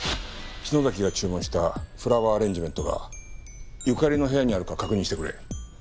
篠崎が注文したフラワーアレンジメントが由香利の部屋にあるか確認してくれ。